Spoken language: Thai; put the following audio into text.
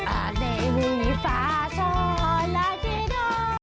อันในวีฟ้าช้อนราชิโด